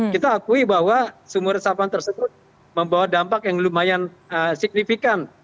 kita akui bahwa sumur resapan tersebut membawa dampak yang lumayan signifikan